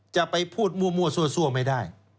จะไปพูดมั่วซั่วไม่ได้